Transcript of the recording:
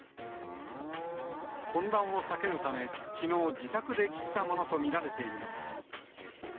混乱を避けるためきのう、自宅で切ったものと見られています。